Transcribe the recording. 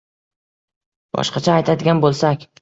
boshqacha aytadigan bo‘lsak